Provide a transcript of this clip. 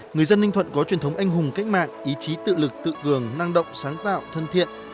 người dân ninh thuận có truyền thống anh hùng cách mạng ý chí tự lực tự cường năng động sáng tạo thân thiện